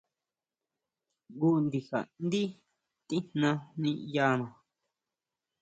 Jngu ndija ndí tijna niʼyana.